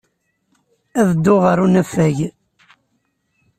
Ad dduɣ ɣer unafag.